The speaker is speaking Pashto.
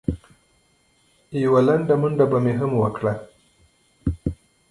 یوه لنډه منډه به مې هم وکړه.